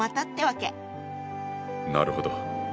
なるほど。